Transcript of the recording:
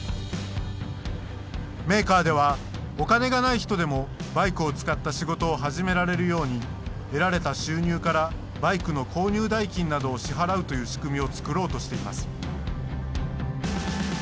メーカーではお金がない人でもバイクを使った仕事を始められるように得られた収入からバイクの購入代金などを支払うという仕組みを作ろうとしています。